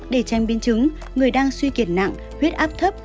để tránh biến chứng người đang suy kiệt nặng huyết áp thấp